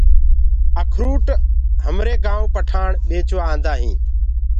اکروُٽ همرآ گآئونٚ پٺآڻ ڀيچوآ آندآ هين۔